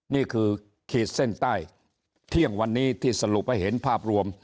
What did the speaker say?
นี่คือขีดเส้นใต้เที่ยงวันนี้ที่สรุปให้เห็นภาพรวม